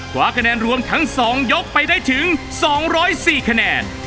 คว้าคะแนนรวมทั้ง๒ยกไปได้ถึง๒๐๔คะแนน